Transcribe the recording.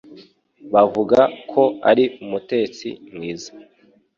Bavuga ko ari umutetsi mwiza